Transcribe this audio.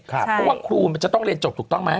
เพราะว่าครูมันจะต้องเรียนจบถูกต้องไหม